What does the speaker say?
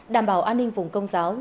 đảm bảo an ninh vùng công giáo